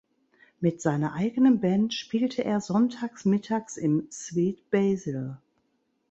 Mit seiner eigenen Band spielte er sonntags mittags im Sweet Basil.